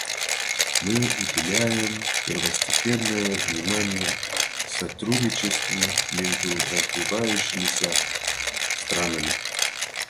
Мы уделяем первостепенное внимание сотрудничеству между развивающимися странами.